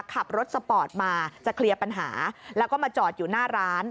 ขับรถสปอร์ตมาจะเคลียร์ปัญหาแล้วก็มาจอดอยู่หน้าร้าน